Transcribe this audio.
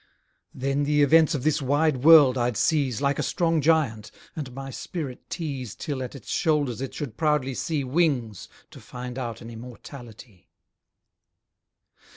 Then the events of this wide world I'd seize Like a strong giant, and my spirit teaze Till at its shoulders it should proudly see Wings to find out an immortality.